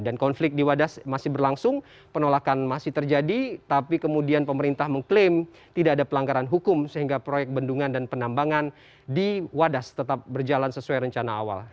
dan konflik di wadas masih berlangsung penolakan masih terjadi tapi kemudian pemerintah mengklaim tidak ada pelanggaran hukum sehingga proyek bendungan dan penambangan di wadas tetap berjalan sesuai rencana awal